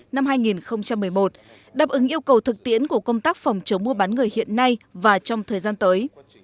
năm hai nghìn một mươi một đáp ứng yêu cầu thực tiễn của công tác phòng chống mua bán người hiện nay và trong thời gian tới